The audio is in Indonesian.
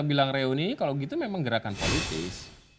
bilang reuni ini kalau gitu memang gerakan politis